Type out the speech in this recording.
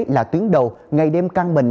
là tuyến đầu ngày đêm căng mình